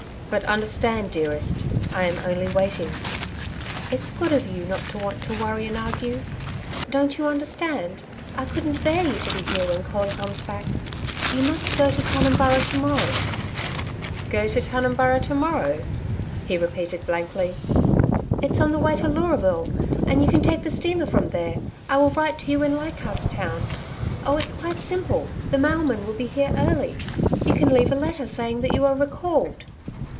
But understand, dearest I am only waiting.' 'It's good of you not to want to worry and argue.... Don't you understand? I couldn't bear you to be here when Colin comes back. You must go to Tunumburra to morrow.' 'Go to Tunumburra to morrow?' he repeated blankly. 'It's on the way to Leuraville, and you can take the steamer from there. I will write to you in Leichardt's Town. Oh, it's quite simple. The mailman will be here early. You can leave a letter saying that you are recalled.'